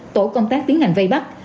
tổ công tác tiến hành vây bắt